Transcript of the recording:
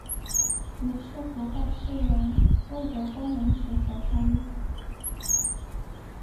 也是古代士人未得功名时所穿衣服。